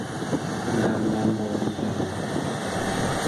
نم نم باریدن